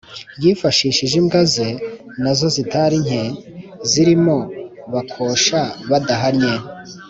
yifashishije imbwa ze na zo zitari nke, zirimo Bakoshabadahannye